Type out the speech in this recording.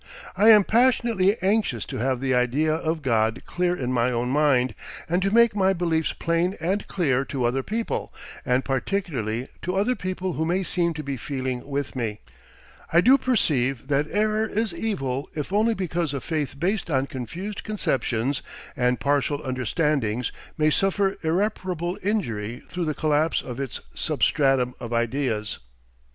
I am passionately anxious to have the idea of God clear in my own mind, and to make my beliefs plain and clear to other people, and particularly to other people who may seem to be feeling with me; I do perceive that error is evil if only because a faith based on confused conceptions and partial understandings may suffer irreparable injury through the collapse of its substratum of ideas.